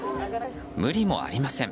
無理もありません。